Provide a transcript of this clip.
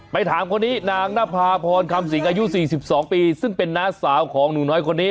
ไปถามคนนี้นางนภาพรคำศีลอายุสี่สิบสองปีซึ่งเป็นน้าสาวของหนูน้อยคนนี้